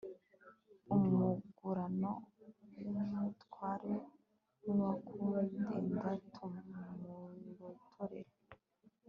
umugurano w umutware w abakurinda tumurotorera